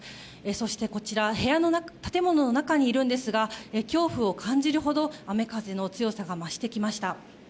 そしてこちら、建物の中にいるんですが恐怖を感じるほど雨風の強さが増してきました。